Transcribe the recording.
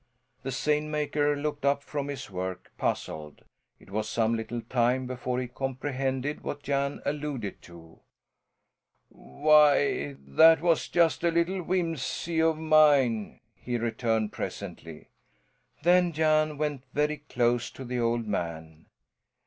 The seine maker looked up from his work, puzzled. It was some little time before he comprehended what Jan alluded to. "Why, that was just a little whimsey of mine," he returned presently. Then Jan went very close to the old man.